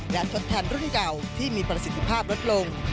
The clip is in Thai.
และทดแทนรุ่นเก่าที่มีประสิทธิภาพลดลง